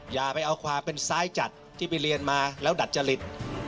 อย่าไปเอาความเป็นซ้ายจัดที่ไปเรียนมาแล้วดัดจริต